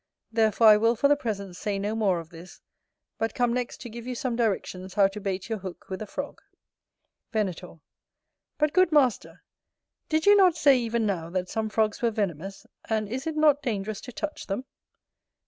Therefore I will for the present say no more of this; but come next to give you some directions how to bait your hook with a frog. Venator. But, good master, did you not say even now, that some frogs were venomous; and is it not dangerous to touch them?